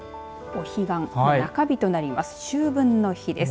お彼岸、中日となります。